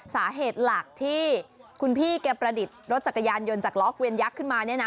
สาเหตุหลักที่คุณพี่แกประดิษฐ์รถจักรยานยนต์จากล้อเวียนยักษ์ขึ้นมา